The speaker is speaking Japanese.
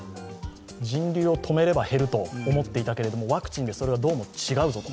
人流を止めれば減ると思っていたけどワクチンでそれがどうも違うぞと。